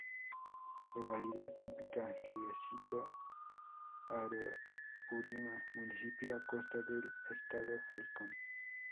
Localidad típica Riecito-Araurima, Municipio Acosta del Estado Falcón.